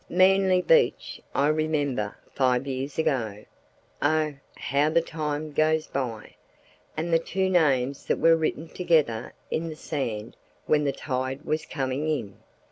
Manly Beach—I remember five years ago (oh, how the time goes by!)—and two names that were written together in the sand when the tide was coming in.